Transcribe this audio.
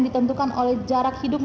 ditentukan oleh jarak hidup